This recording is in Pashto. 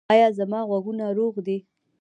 ایا زما غوږونه روغ دي؟